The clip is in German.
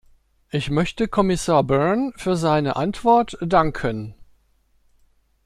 Ich möchte Kommissar Byrne für seine Antwort danken.